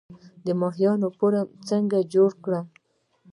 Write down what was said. د ماهیانو فارم څنګه جوړ کړم؟